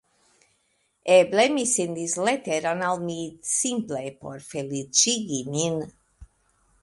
Eble mi sendis leteron al mi simple por feliĉigi min.